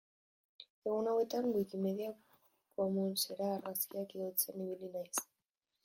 Egun hauetan Wikimedia Commonsera argazkiak igotzen ibili naiz.